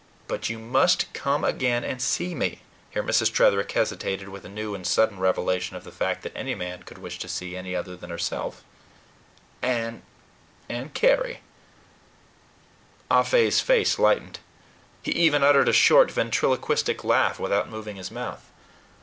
But you must come again and see me " here Mrs. Tretherick hesitated with a new and sudden revelation of the fact that any man could wish to see any other than herself "and, and Carry." Ah Fe's face lightened. He even uttered a short ventriloquistic laugh without moving his mouth.